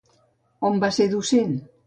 On va ser docent?